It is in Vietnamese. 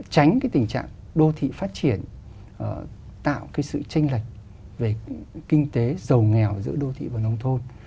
tránh cái tình trạng đô thị phát triển tạo cái sự tranh lệch về kinh tế giàu nghèo giữa đô thị và nông thôn